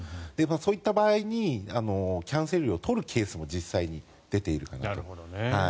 そういった場合にキャンセル料を取るケースも実際に出ているかなと。